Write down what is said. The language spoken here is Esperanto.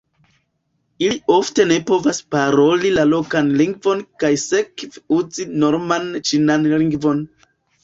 Ili ofte ne povas paroli la lokan lingvon kaj sekve uzi norman ĉinan lingvon.